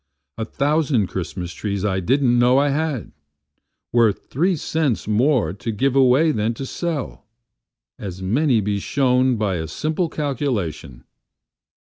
A thousand Christmas trees I didn't know I had! Worth three cents more to give away than sell, As may be shown by a simple calculation.